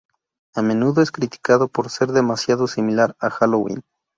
A menudo es criticado por ser "demasiado similar" a Halloween.